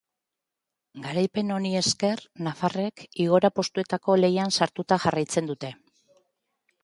Garaipen honi esker, nafarrek igora postuetako lehian sartuta jarraitzen dute.